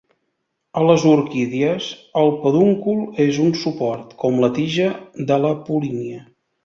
A les orquídies, el pedúncul és un suport, com la tija, de la polínia.